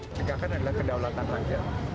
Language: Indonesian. sekarang kan adalah kedaulatan rakyat